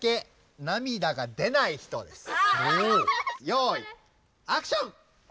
よいアクション！